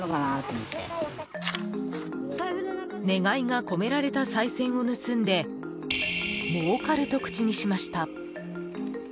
願いが込められたさい銭を盗んでもうかると口にしました。